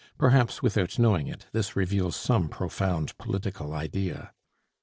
Perhaps without knowing it, this reveals some profound political idea.